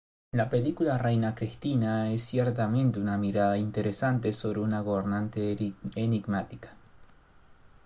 La película "Reina Cristina" es ciertamente una mirada interesante sobre una gobernante enigmática.